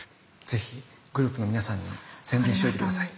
是非グループの皆さんに宣伝しといて下さい。